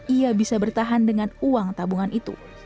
ia bisa bertahan dengan uang tabungan itu